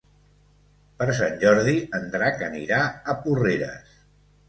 Per Sant Jordi en Drac anirà a Porreres.